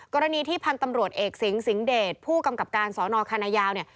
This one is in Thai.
กรณีที่พันธ์ตำรวจเอกสิงสิงเดชผู้กำกับการสนคานายาว